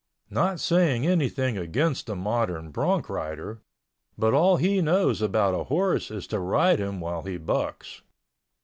Not saying anything against the modern bronc rider, but all he knows about a horse is to ride him while he bucks.